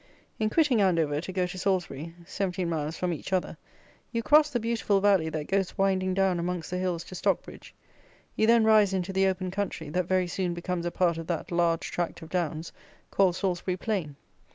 In quitting Andover to go to Salisbury (17 miles from each other) you cross the beautiful valley that goes winding down amongst the hills to Stockbridge. You then rise into the open country that very soon becomes a part of that large tract of downs, called Salisbury Plain.